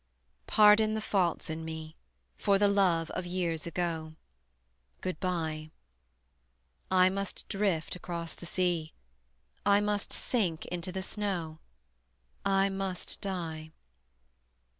Pardon the faults in me, For the love of years ago: Good by. I must drift across the sea, I must sink into the snow, I must die.